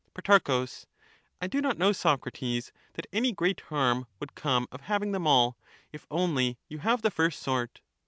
Pro, I do not know, Socrates, that any great harm would All the come of having them all, if only you have the first sort.